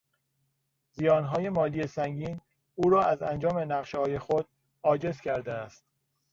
زیانهای مالی سنگین او را از انجام نقشههای خود عاجز کرده است.